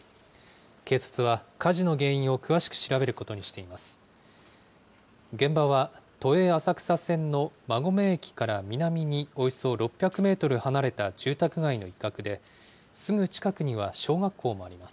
警察は火事の原因を詳しく調べることにしています。